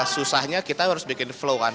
susahnya kita harus bikin flow kan